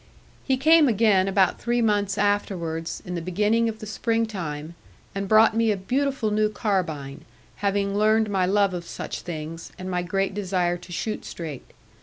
He came again about three months afterwards, in the beginning of the spring time, and brought me a beautiful new carbine, having learned my love of such things, and my great desire to shoot straight.